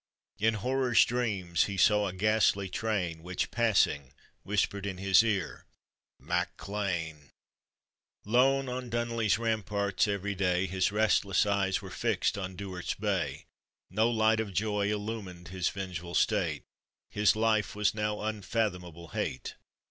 " In horror's dreams he saw a ghastly train, Which, passing, whispered in his ear, "Mac Lean !" Lone on Dunolly's ramparts every day His restless eyes were fixed on Duard's bay ; No light of joy illumined his vengeful state, His life was now unfathomable hate.